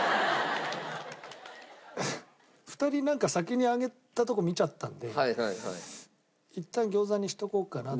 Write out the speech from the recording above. ２人なんか先に上げたとこ見ちゃったんでいったん餃子にしとこうかなと。